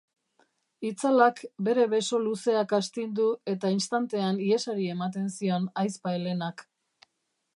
Itzalak bere beso luzeak astindu eta istantean ihesari ematen zion ahizpa Elenak.